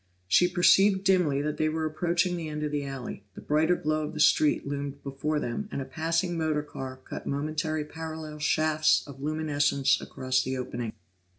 She perceived dimly that they were approaching the end of the alley; the brighter glow of the street loomed before them, and a passing motor car cut momentary parallel shafts of luminescence across the opening.